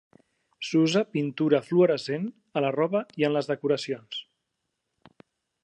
S'usa pintura fluorescent a la roba i en les decoracions.